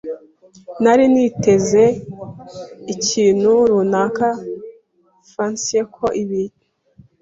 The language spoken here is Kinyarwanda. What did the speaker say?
Nari niteze ikintu runaka fancier ko ibi.